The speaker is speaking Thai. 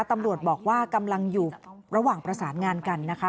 ตำรวจบอกว่ากำลังอยู่ระหว่างประสานงานกันนะคะ